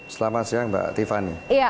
selamat siang mbak tiffany